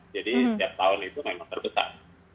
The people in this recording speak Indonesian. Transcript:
jadi setiap tahun itu memang terbesar